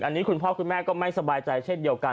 อันนี้คุณพ่อคุณแม่ก็ไม่สบายใจเช่นเดียวกัน